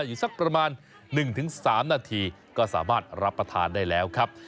อยู่สักประมาณ๑๓นาทีก็สามารถรับประทานได้แล้วครับ